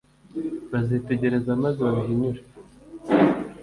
Bazitegereza maze babihinyure,